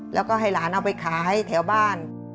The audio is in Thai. แล้วก็ให้หลานเอาไปขายแถวบ้าน